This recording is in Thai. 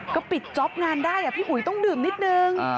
ก็ปิดจ๊อปงานได้พี่อุ๋ยต้องดื่มนิดนึง